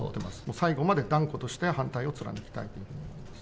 最後まで断固として反対を貫きたいと思います。